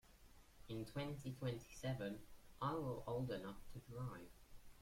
In twenty-twenty-seven I will old enough to drive.